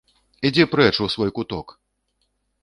Ідзі прэч, у свой куток!